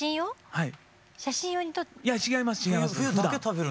はい。